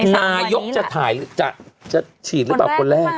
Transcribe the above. นายกจะฉีดหรือเปล่าคนแรก